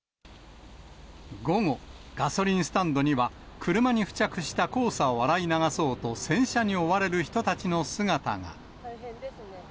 午後、ガソリンスタンドには、車に付着した黄砂を洗い流そうと、洗車に追われる人たちの姿が。